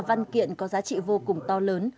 văn kiện có giá trị vô cùng to lớn